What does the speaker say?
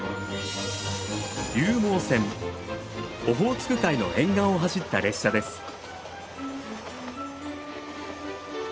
オホーツク海の沿岸を走った列車です。